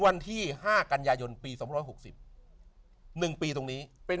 วันที่ห้ากันยายนต์ปีสองพิบาทหกสิบหนึ่งปีตรงนี้เป็น